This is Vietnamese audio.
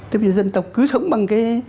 tại vì dân tộc cứ sống bằng cái